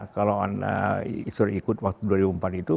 kalau anda suruh ikut waktu dua ribu empat itu